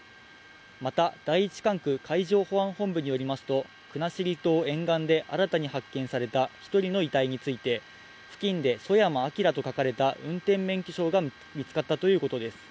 また、第１管区海上保安本部によりますと、国後島沿岸で新たに発見された１人の遺体について、付近でソヤマ・アキラと書かれた運転免許証が見つかったということです。